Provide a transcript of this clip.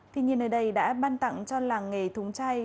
thì nhìn ở đây đã ban tặng cho làng nghề thúng chay